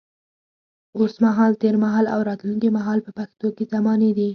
اوس مهال، تېر مهال او راتلونکي مهال په پښتو کې زمانې دي.